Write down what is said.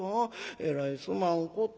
えらいすまんこと。